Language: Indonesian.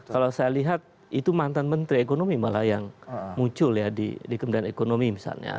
kalau saya lihat itu mantan menteri ekonomi malah yang muncul ya di kemudian ekonomi misalnya